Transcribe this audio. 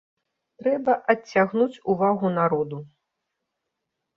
Трэба адцягнуць увагу народу.